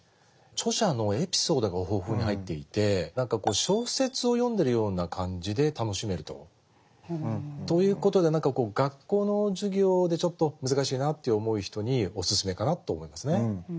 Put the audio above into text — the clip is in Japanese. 著者のエピソードが豊富に入っていて何かこう小説を読んでるような感じで楽しめると。ということで学校の授業でちょっと難しいなと思う人にお薦めかなと思いますね。